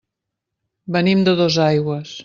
Venim de Dosaigües.